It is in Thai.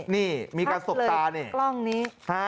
นี่มีการสกตาเนี่ยทักเลยกล้องนี้